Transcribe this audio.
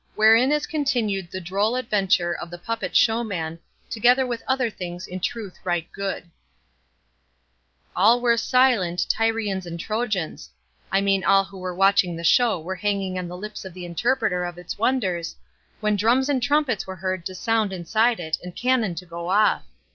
WHEREIN IS CONTINUED THE DROLL ADVENTURE OF THE PUPPET SHOWMAN, TOGETHER WITH OTHER THINGS IN TRUTH RIGHT GOOD All were silent, Tyrians and Trojans; I mean all who were watching the show were hanging on the lips of the interpreter of its wonders, when drums and trumpets were heard to sound inside it and cannon to go off.